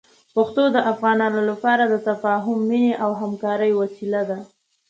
پښتو د افغانانو لپاره د تفاهم، مینې او همکارۍ وسیله ده.